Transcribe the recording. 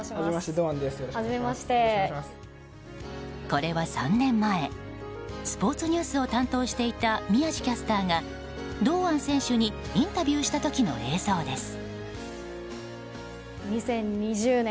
これは３年前スポーツニュースを担当していた宮司キャスターが堂安選手にインタビューした時の映像です。